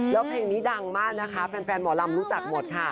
แล้วเพลงนี้ดังมากนะคะแฟนหมอลำรู้จักหมดค่ะ